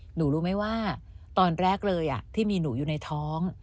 หนูรู้ไหมว่าตอนแรกเลยที่มีหนูอยู่ในท้อง